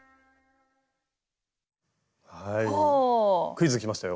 クイズきましたよ。